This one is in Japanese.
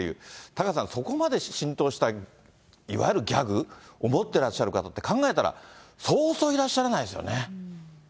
タカさん、そこまで浸透したいわゆるギャグを持ってらっしゃる方って、考えたら、そうそういらっしゃらないですよね。